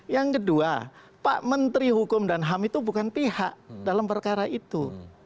yang kedua pak menteri hukum dan ham itu bukan pihak dalam perkara itu